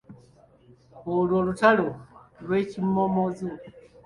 Olwo lutalo lw'ekimomozo.